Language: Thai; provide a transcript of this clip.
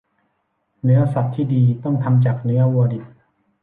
เนื้อสับที่ดีต้องทำจากเนื้อวัวดิบ